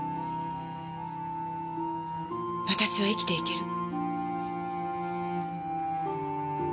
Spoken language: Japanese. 私は生きていける。